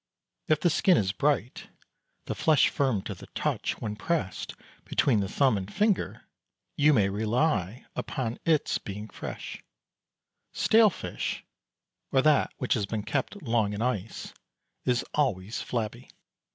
If the skin is bright, the flesh firm to the touch when pressed between the thumb and finger, you may rely upon its being fresh; stale fish, or that which has been kept long in ice, is always flabby.